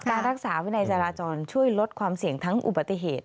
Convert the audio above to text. การรักษาวินัยจราจรช่วยลดความเสี่ยงทั้งอุบัติเหตุ